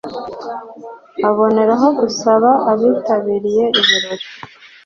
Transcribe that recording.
Aboneraho gusaba abitabiriye ibirori